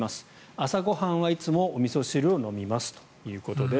朝ごはんはいつもおみそ汁を飲みますということです。